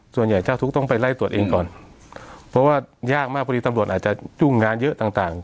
เจ้าทุกข์ต้องไปไล่ตรวจเองก่อนเพราะว่ายากมากพอดีตำรวจอาจจะยุ่งงานเยอะต่างต่าง